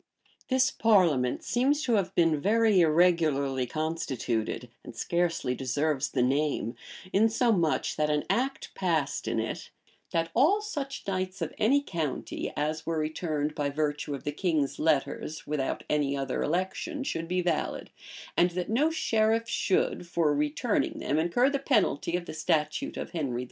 This parliament seems to have been very irregularly constituted, and scarcely deserves the name; insomuch, that an act passed in it, "that all such knights of any county, as were returned by virtue of the king's letters, without any other election, should be valid; and that no sheriff should, for returning them, incur the penalty of the statute of Henry IV."